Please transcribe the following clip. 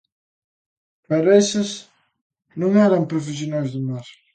Pero eses non eran profesionais do mar.